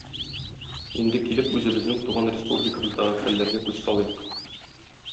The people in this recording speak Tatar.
Инде килеп үзебезнең туган республикабыздагы хәлләргә күз салыйк.